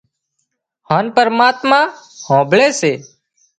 هانَ پرماتما هانڀۯي سي